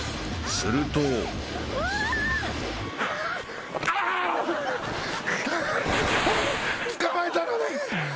［すると］捕まえたのねん。